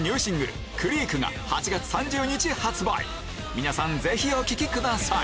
皆さんぜひお聴きください